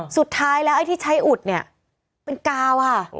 สุดท้ายแล้วไอ้ที่ใช้อุดเนี่ยเป็นกาวค่ะ